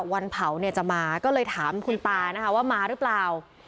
วันเผาเนี่ยจะมาก็เลยถามคุณตานะคะว่ามาหรือเปล่า